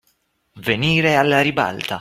Venire alla ribalta.